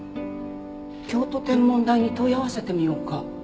京都天文台に問い合わせてみようか？